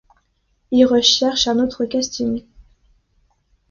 Ils cherchent un autre casting.